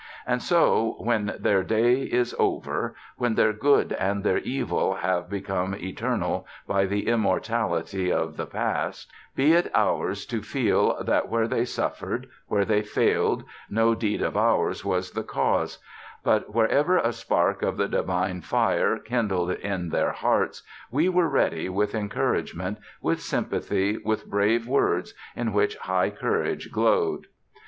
And so, when their day is over, when their good and their evil have become eternal by the immortality of the past, be it ours to feel that, where they suffered, where they failed, no deed of ours was the cause; but wherever a spark of the divine fire kindled in their hearts, we were ready with encouragement, with sympathy, with brave words in which high courage glowed.